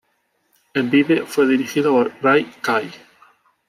El vídeo fue dirigido por Ray Kay.